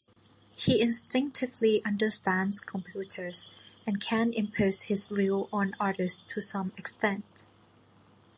He instinctively understands computers, and can impose his will on others to some extent.